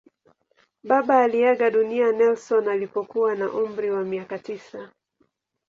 Baba aliaga dunia Nelson alipokuwa na umri wa miaka tisa.